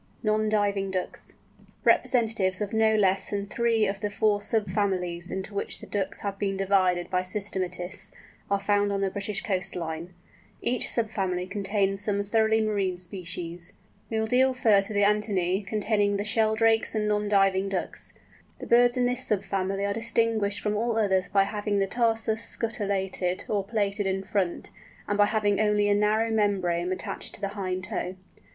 NON DIVING DUCKS. Representatives of no less than three of the four sub families into which the Ducks have been divided by systematists, are found on the British coast line. Each sub family contains some thoroughly marine species. We will deal first with the Anatinæ, containing the Sheldrakes and non diving Ducks. The birds in this sub family are distinguished from all others by having the tarsus scutellated or plated in front, and by having only a narrow membrane attached to the hind toe.